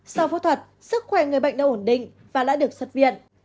sau phẫu thuật sức khỏe người bệnh đã ổn định và đã được xuất viện